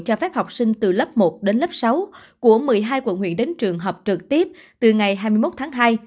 cho phép học sinh từ lớp một đến lớp sáu của một mươi hai quận huyện đến trường học trực tiếp từ ngày hai mươi một tháng hai